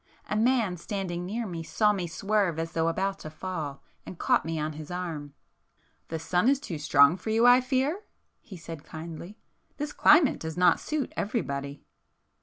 A man standing near me saw me swerve as though about to fall, and caught me on his arm. "The sun is too strong for you I fear?" he said kindly—"This climate does not suit everybody."